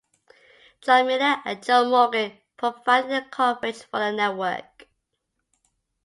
Jon Miller and Joe Morgan provided the coverage for the network.